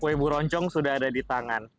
kue buroncong sudah ada di tangan